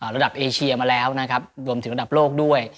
ระดับเอเชียมาแล้วนะครับรวมถึงระดับโลกด้วย